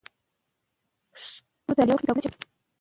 ابداليانو په هرات کې خپل حکومت په خپلواکه توګه چلاوه.